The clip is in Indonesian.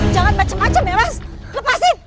jangan macem macem ya mas lepasin